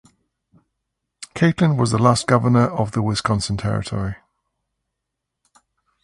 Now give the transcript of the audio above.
Catlin was the last Governor of the Wisconsin Territory.